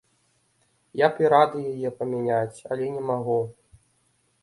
Я б і рады яе памяняць, але не магу!